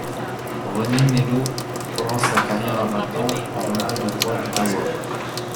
René Mailhot commence sa carrière à vingt ans au journal Le Droit d'Ottawa.